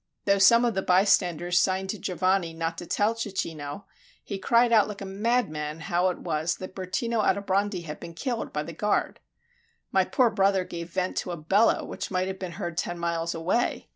Though some of the bystanders signed to Giovanni not to tell Cecchino, he cried out like a madman how it was that Bertino Aldobrandi had been killed by the guard. My poor brother gave vent to a bellow which might have been heard ten miles away.